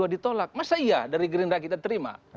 ditolak masa iya dari gerindra kita terima